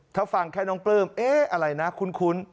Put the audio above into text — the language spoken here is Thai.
ถ้าฟังแค่น้องปลื้มเอ๊ะอะไรนะคุ้น